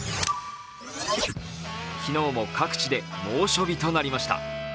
昨日も各地で猛暑日となりました。